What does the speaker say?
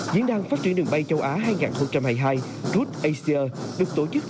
diễn đàn phát triển đường bay châu á hai nghìn hai mươi hai roadace được tổ chức